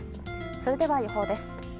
それでは、予報です。